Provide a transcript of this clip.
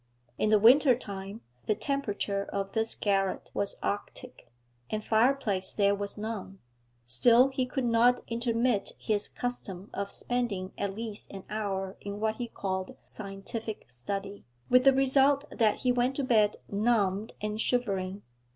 In the winter time the temperature of this garret was arctic, and fireplace there was none; still he could not intermit his custom of spending at least an hour in what he called scientific study, with the result that he went to bed numbed and shivering.